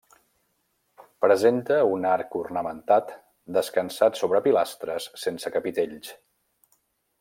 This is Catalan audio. Presenta un arc ornamentat descansant sobre pilastres sense capitells.